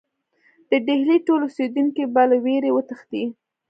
د ډهلي ټول اوسېدونکي به له وېرې وتښتي.